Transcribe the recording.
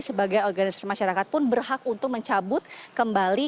sebagai organisasi masyarakat pun berhak untuk mencabut kembali